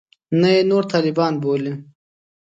نه یې نور طالبان بولي.